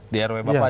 di rw bapak aja